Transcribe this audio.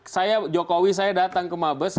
saya jokowi saya datang ke mabes